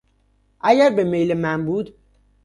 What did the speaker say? اگر به میل من بود